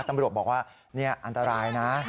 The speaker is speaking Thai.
ตำรวจบอกว่านี่อันตรายนะ